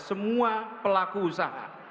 semua pelaku usaha